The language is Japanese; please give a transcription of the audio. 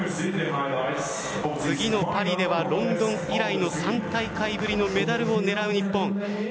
次のパリではロンドン以来の３大会ぶりのメダルを狙う日本。